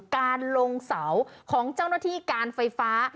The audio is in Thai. การลงเสาของเจ้าหน้าที่การไฟฟ้า